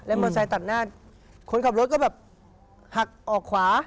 มอเซตัดหน้าคนขับรถก็แบบหักออกขวา